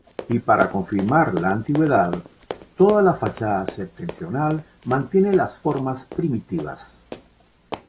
Y para confirmar la antigüedad, toda la fachada septentrional mantiene las formas primitivas.